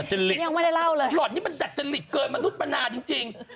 ดัดจาริตหล่อนนี่มันดัดจาริตเกินมานุ่นประนะจริง